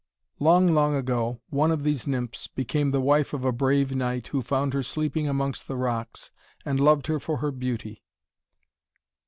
Long, long ago, one of these nymphs became the wife of a brave knight, who found her sleeping amongst the rocks and loved her for her beauty.